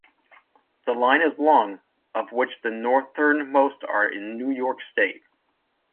The line is long, of which the northernmost are in New York State.